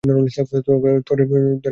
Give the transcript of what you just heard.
তোরে মেরে ফেলব, বজ্জাত।